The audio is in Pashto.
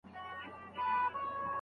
قطر یې دقیق اندازه معلومه ده.